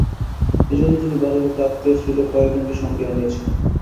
এইজন্য তিনি বাড়ি হইতে আত্মীয় স্ত্রীলোক কয়েকজনকে সঙ্গেই আনিয়াছিলেন।